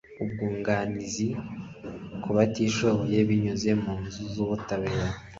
ubwunganizi ku batishoboye binyuze mu nzu z ubutabera